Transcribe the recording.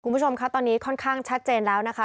คุณผู้ชมคะตอนนี้ค่อนข้างชัดเจนแล้วนะคะ